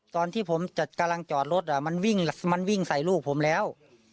ตอนที่ผมกำลังจอดรถมันวิ่งใส่ลูกผมแล้ว